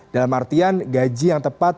dalam artian gaji yang tepat